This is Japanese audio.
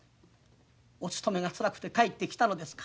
お勤めがつらくて帰ってきたのですか。